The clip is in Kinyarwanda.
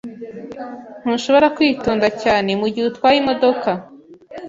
Ntushobora kwitonda cyane mugihe utwaye imodoka.